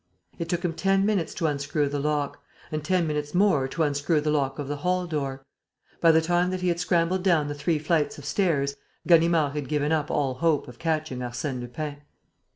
It took him ten minutes to unscrew the lock and ten minutes more to unscrew the lock of the hall door. By the time that he had scrambled down the three flights of stairs, Ganimard had given up all hope of catching Arsène Lupin.